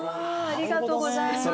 ありがとうございます。